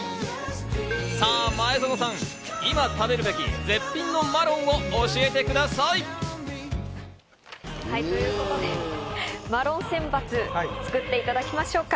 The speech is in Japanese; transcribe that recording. さぁ、前園さん、今食べるべき絶品のマロンを教えてください。ということでマロン選抜、作っていただきましょうか？